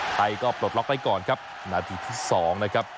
ไทยก็ปลดล็อกไว้ก่อนครับนาทีที่๒นะครับ